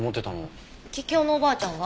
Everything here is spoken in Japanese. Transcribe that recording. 桔梗のおばあちゃんが？